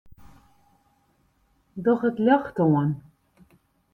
Doch it ljocht oan.